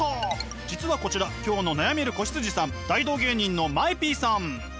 実はこちら今日の悩める子羊さん大道芸人のＭＡＥＰさん。